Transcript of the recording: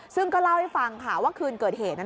ซึ่งก็เล่าให้ฟังค่ะว่าคืนเกิดเหตุนั้น